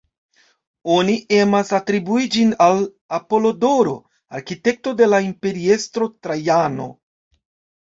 Oni emas atribui ĝin al Apolodoro, arkitekto de la imperiestro Trajano.